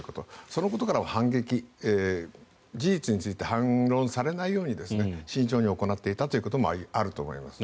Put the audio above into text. そのことからも事実について反論されないように慎重に行っていたということもあると思います。